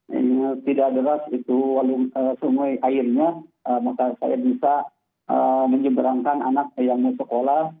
jadi kalau tidak deras itu sungai airnya maka saya bisa menyeberangkan anak yang mau sekolah